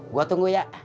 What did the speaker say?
gue tunggu ya